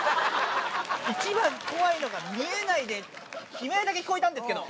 一番怖いのが見えないで、悲鳴だけ聞こえたんですけど。